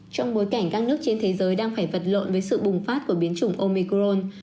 trong bối cảnh các nước trên thế giới đang phải vật lộn với sự bùng phát của biến chủng omicron